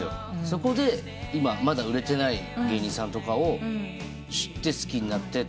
そこで今まだ売れてない芸人さんとかを知って好きになってという番組のエンディング曲。